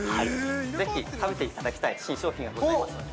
ぜひ食べていただきたい新商品がございますので。